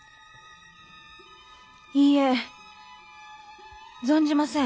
いいえ存じません。